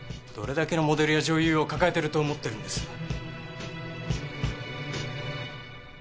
どれだけのモデルや女優を抱えてると思ってるんです？